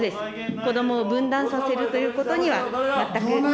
子どもを分断させるということには全く。